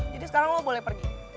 jadi sekarang lo boleh pergi